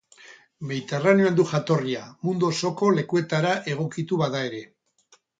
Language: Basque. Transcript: Mediterraneoan du jatorria, mundu osoko lekuetara egokitu bada ere.